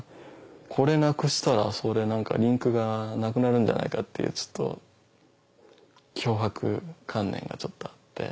これなくしたらリンクがなくなるんじゃないかっていう強迫観念がちょっとあって。